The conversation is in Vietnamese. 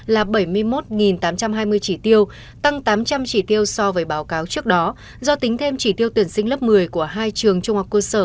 là bảy mươi một tám trăm hai mươi chỉ tiêu tăng tám trăm linh chỉ tiêu so với báo cáo trước đó do tính thêm chỉ tiêu tuyển sinh lớp một mươi của hai trường trung học cơ sở